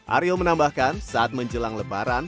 aryo menambahkan saat menjelang lebaran